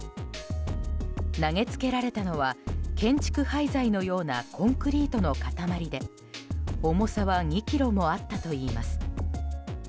投げつけられたのは建築廃材のようなコンクリートの塊で重さは２ｋｇもあったといいます。